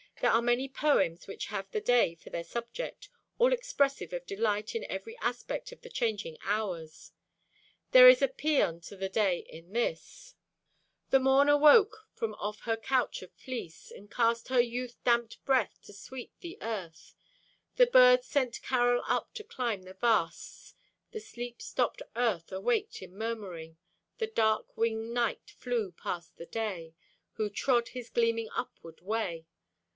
There are many poems which have the day for their subject, all expressive of delight in every aspect of the changing hours. There is a pæan to the day in this: The Morn awoke from off her couch of fleece, And cast her youth dampt breath to sweet the Earth. The birds sent carol up to climb the vasts. The sleep stopped Earth awaked in murmuring. The dark winged Night flew past the Day Who trod his gleaming upward way.